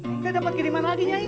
kita dapat kiriman lagi nyai